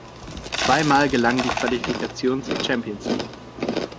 Zweimal gelang die Qualifikation zur Champions League.